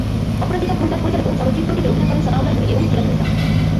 অপরাজিতা ঘোষ দাশ পরিচালিত চলচ্চিত্রটিতে অভিনয় করেন সানাউল্লাহ নূরী এবং এম সিরাজুল ইসলাম।